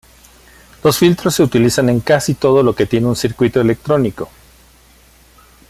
Los filtros se utilizan en casi todo lo que tiene un circuito electrónico.